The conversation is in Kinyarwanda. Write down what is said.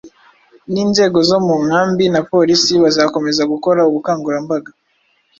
n’inzego zo mu nkambi na Polisi bazakomeza gukora ubukangurambaga